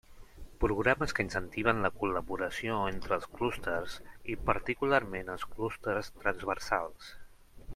Programes que incentiven la col·laboració entre els clústers i particularment els clústers transversals.